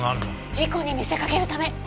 事故に見せかけるため。